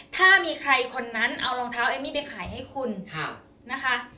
ถ้ามีใครคนนั้นเอารองเท้าเอมมี่ไปขายให้คุณนะคะ